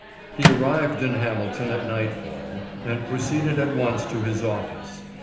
He arrived in Hamilton at nightfall, and proceeded at once to his office.